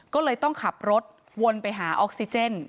ก็เลยต้องขับรถวนไปหาออกซิเจน